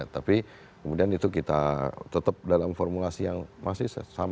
tapi kemudian itu kita tetap dalam formulasi yang masih sama